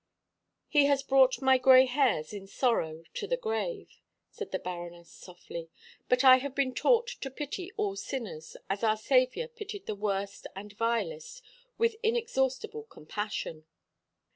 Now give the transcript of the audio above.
"He has brought my gray hairs in sorrow to the grave," said the Baroness softly, "but I have been taught to pity all sinners, as our Saviour pitied the worst and vilest, with inexhaustible compassion."